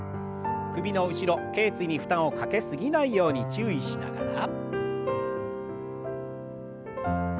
首の後ろけい椎に負担をかけ過ぎないように注意しながら。